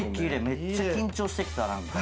めっちゃ緊張してきたなんか。